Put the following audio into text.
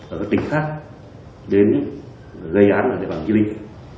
ở các tỉnh khác đến gây án ở địa bàn dưới linh